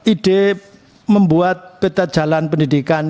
ide membuat peta jalan pendidikan